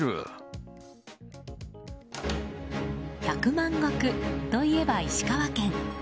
百万石といえば、石川県。